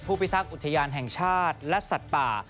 พิทักษ์อุทยานแห่งชาติและสัตว์ป่า